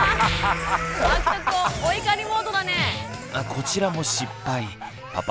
こちらも失敗パパ